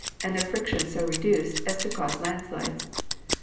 and their friction so reduced as to cause landslides.